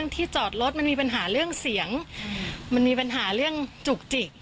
ที่จอดรถมันมีปัญหาเรื่องเสียงมันมีปัญหาเรื่องจุกจิก